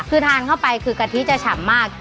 คือทานเข้าไปคือกะทิจะฉ่ำมาก